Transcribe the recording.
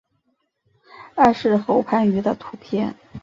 艾氏喉盘鱼的图片